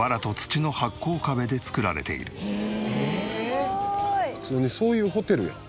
すごい！普通にそういうホテルやん。